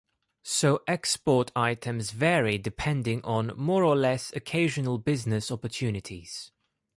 So export items vary depending on more or less occasional business opportunities.